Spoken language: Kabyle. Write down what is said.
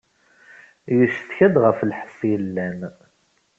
Yeccetka-d ɣef lḥess yellan.